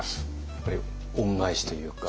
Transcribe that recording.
やっぱり恩返しというか。